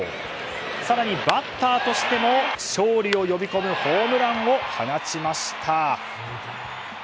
更にバッターとしても勝利を呼び込むホームランを放ちました。